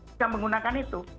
bisa menggunakan itu